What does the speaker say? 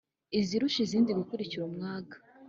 Izirusha izindi kugira umwaga